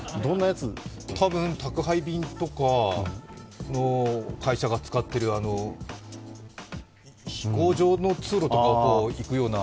多分、宅配便とかの会社が使っている飛行場の通路を行くような。